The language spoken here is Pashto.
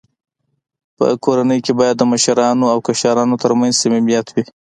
په کورنۍ کي باید د مشرانو او کشرانو ترمنځ صميميت وي.